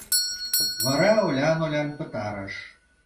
Вара олян-олян пытарыш.